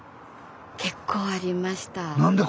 結構ありました。